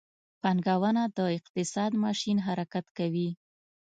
پانګونه د اقتصاد ماشین حرکت کوي.